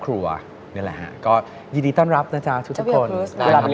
เคยไปอีกทีหนึ่งงานวาเลนไทยครับ